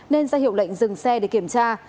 nên ra hiệu lệnh dừng xe để kiểm tra